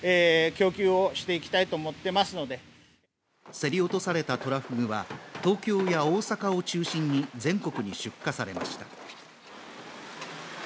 競り落とされたトラフグは東京や大阪を中心に全国に出荷されました。